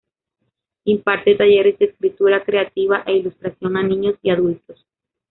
Imparte talleres de escritura creativa e ilustración a niños y adultos.